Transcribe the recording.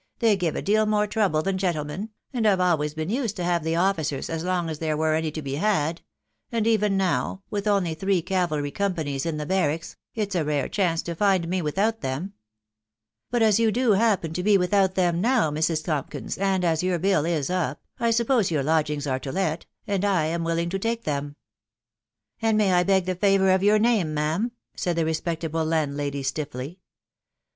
. they give a deal more trouble than gentlemen, and I've always been used to have the officers as long as there were any to be had ; and even now, with only three cavalry companies in the barracks, it's a rare chance to find me without them." " But as you do happen to be without them now, Mrs. Tompkins, and as your bill is up, I suppose your lodgings are to let, and I am willing to take them." " And may I beg the favour of your name, ma'am ?" said the respectable landlady, stiffly.